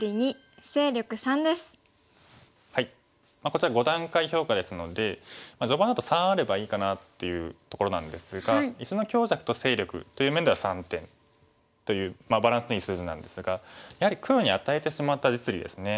こちら５段階評価ですので序盤だと３あればいいかなっていうところなんですが石の強弱と勢力という面では３点というバランスのいい数字なんですがやはり黒に与えてしまった実利ですね。